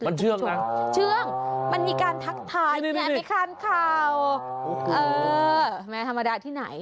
มันเชื่องไหมเชื่องมันมีการทักทายไงไปคานข่าวเออแม่ธรรมดาที่ไหน